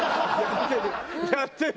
やってる。